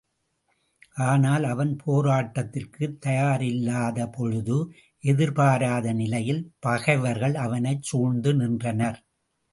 ஆனால் அவன் போராட்டத்திற்கு தயாராயில்லாதபொழுது, எதிர்பாராத நிலையில் பகைவர்கள் அவனைச் சூழ்ந்து நின்றனர்.